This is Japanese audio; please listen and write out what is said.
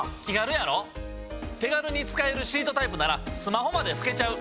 手軽に使えるシートタイプならスマホまでふけちゃう。